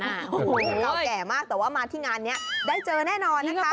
โอ้โหเก่าแก่มากแต่ว่ามาที่งานนี้ได้เจอแน่นอนนะคะ